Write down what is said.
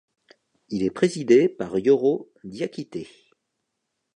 Il est présidé par Yoro Diakité.